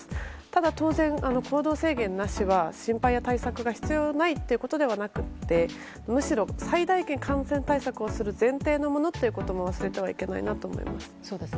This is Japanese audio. ただ、当然行動制限なしは心配や対策が必要ないということではなくてむしろ最大限感染対策をする前提のものということも忘れてはいけないと思います。